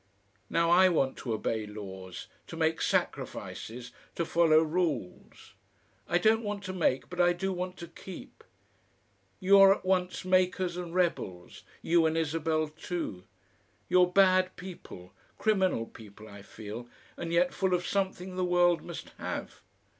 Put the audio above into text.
Now I want to obey laws, to make sacrifices, to follow rules. I don't want to make, but I do want to keep. You are at once makers and rebels, you and Isabel too. You're bad people criminal people, I feel, and yet full of something the world must have.